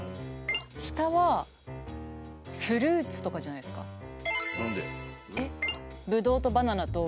下はフルーツとかじゃないですか何で？